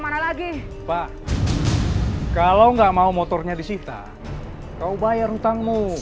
mana lagi pak kalau nggak mau motornya disita kau bayar hutangmu